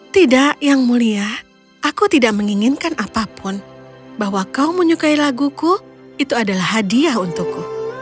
tidak yang mulia aku tidak menginginkan apapun bahwa kau menyukai laguku itu adalah hadiah untukku